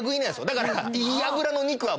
だから。